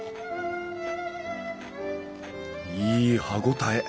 いい歯応え。